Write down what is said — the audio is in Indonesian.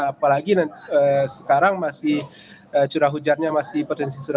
apalagi sekarang masih curah hujannya masih potensi tsunami